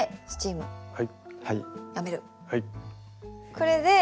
これで。